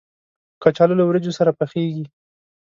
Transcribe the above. کچالو له وریجو سره پخېږي